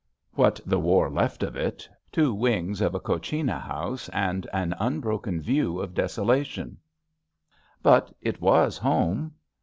"What the war left of it — two wings of a cochina house and an unbroken view of deso lation. But it was home."